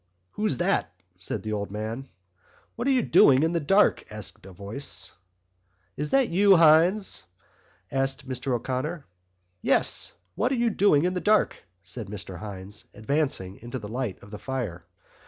"Who's that?" said the old man. "What are you doing in the dark?" asked a voice. "Is that you, Hynes?" asked Mr O'Connor. "Yes. What are you doing in the dark?" said Mr Hynes advancing into the light of the fire.